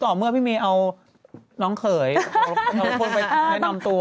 ต้องพาไปแนะนำตัว